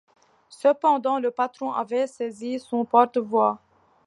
Cependant le patron avait saisi son porte-voix.